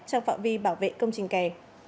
trong phạm vi bảo vệ công trình kè